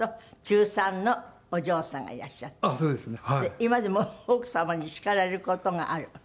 今でも奥様に叱られる事がある。